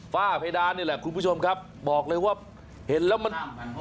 ฝ้าเพดานนี่แหละคุณผู้ชมครับบอกเลยว่าเห็นแล้วมัน